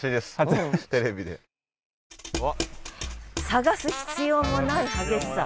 探す必要もない激しさ。